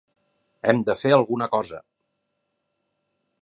Hem de fer alguna cosa!